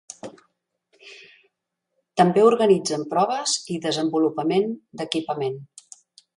També organitzen proves i desenvolupament d'equipament.